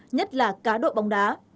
nhất là cá độ bóng đá